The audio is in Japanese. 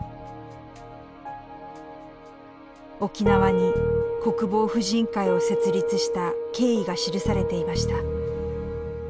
沖縄に国防婦人会を設立した経緯が記されていました。